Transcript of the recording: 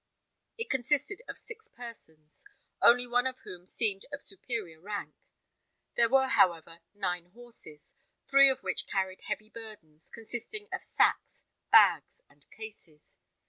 It consisted of six persons, only one of whom seemed of superior rank. There were, however, nine horses, three of which carried heavy burdens, consisting of sacks, bags, and cases.